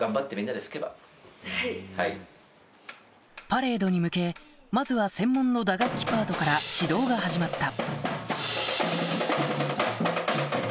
パレードに向けまずは専門の打楽器パートから指導が始まった